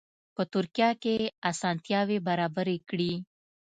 په ترکیه کې اسانتیاوې برابرې کړي.